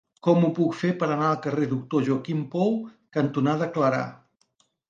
Com ho puc fer per anar al carrer Doctor Joaquim Pou cantonada Clarà?